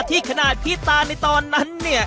ขนาดพี่ตาในตอนนั้นเนี่ย